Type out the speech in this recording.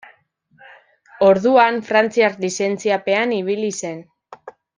Orduan frantziar lizentziapean ibili zen.